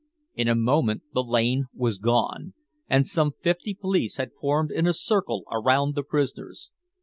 In a moment the lane was gone, and some fifty police had formed in a circle around the prisoners.